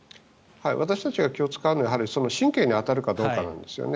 私たちが気を使うのは神経に当たるかどうかなんですね。